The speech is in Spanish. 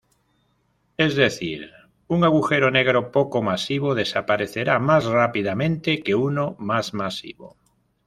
Es decir, un agujero negro poco masivo desaparecerá más rápidamente que uno más masivo.